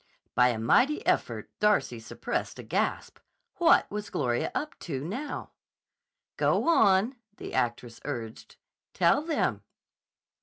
By a mighty effort Darcy suppressed a gasp. What was Gloria up to, now? "Go on," the actress urged. "Tell them."